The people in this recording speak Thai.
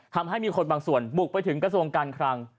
ทำให้มีคนบางส่วนบุกไปถึงกระทรวงการคลัง